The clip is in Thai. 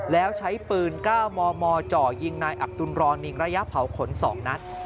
แล้วใช้ปืน๙มมจ่อยิงนายอับตุลรอนิงระยะเผาขน๒นัด